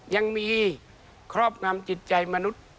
ยังมีครอบงำจิตใจมนุษย์